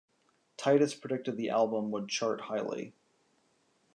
Titus predicted the album would chart highly.